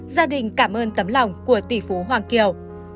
gia đình cảm ơn tấm lòng của tỷ phú hoàng kiều